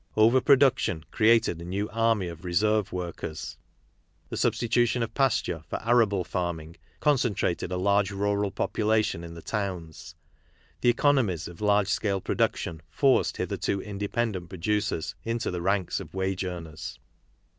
Over production created a new army of reserve workers. The substitution of pasture for arable farming concentrated a large rural population in the towns. The economies of large scale production forced hitherto^ independent producers into the ranks of the wage earners.